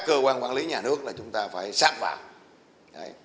cơ quan quản lý nhà nước là chúng ta phải sát vào